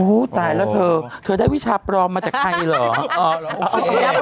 อู้ตายแล้วเธอเธอได้วิชาปรอมมาจากใครหรอ